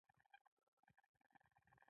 باورونه د انسان د ژوند نقشې دي.